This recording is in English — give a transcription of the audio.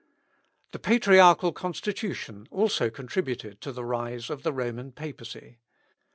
The patriarchal constitution also contributed to the rise of the Roman Papacy.